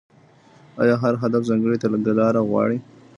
ايا هر هدف ځانګړې تګلاره غواړي؟